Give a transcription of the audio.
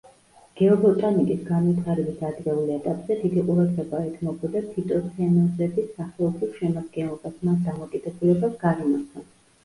გეობოტანიკის განვითარების ადრეულ ეტაპზე დიდი ყურადღება ეთმობოდა ფიტოცენოზების სახეობრივ შემადგენლობას, მათ დამოკიდებულებას გარემოსთან.